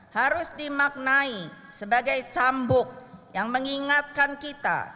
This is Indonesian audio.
harus dimaknai sebagai cambuk yang mengingatkan kita